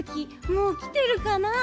もうきてるかなあ？